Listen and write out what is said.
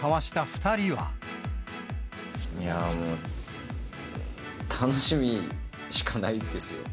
いやぁ、もう、楽しみしかないですよ。